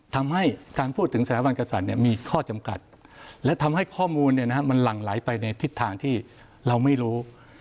ทำให้การพูดถึงสถาบันกษัตริย์มีข้อจำกัดและทำให้ข้อมูลมันหลั่งไหลไปในทิศทางที่เราไม่รู้